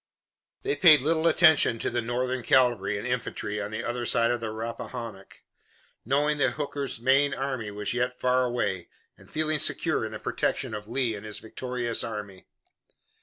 They paid little attention to the Northern cavalry and infantry on the other side of the Rappahannock, knowing that Hooker's main army was yet far away, and feeling secure in the protection of Lee and his victorious army.